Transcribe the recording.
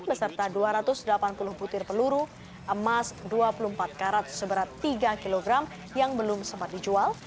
beserta dua ratus delapan puluh butir peluru emas dua puluh empat karat seberat tiga kg yang belum sempat dijual